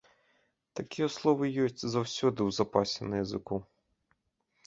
Такія словы ёсць заўсёды ў запасе на языку.